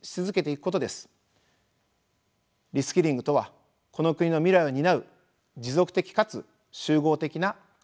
リスキリングとはこの国の未来を担う持続的かつ集合的な活動なのです。